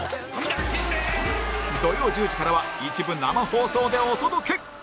土曜１０時からは一部生放送でお届け！